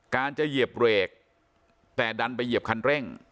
การจะเหยียบเบรกแต่ดันไปเหยียบคันเร่ง